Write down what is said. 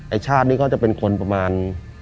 ไอ้ชาดนี่ก็จะเป็นคนประมาณ